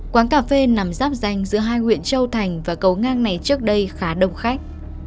quán cà phê nằm giáp danh giữa hai huyện châu thành và cầu ngang này trước đây khá đông khách